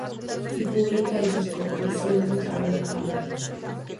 Y publica el disco "Por siempre Carlos Cano.